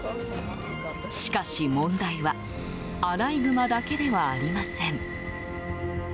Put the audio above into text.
しかし問題はアライグマだけではありません。